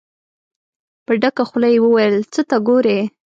په ډکه خوله يې وويل: څه ته ګورئ؟